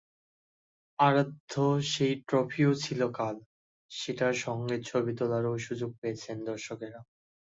আরাধ্য সেই ট্রফিও ছিল কাল, সেটার সঙ্গে ছবি তোলারও সুযোগ পেয়েছেন দর্শকেরা।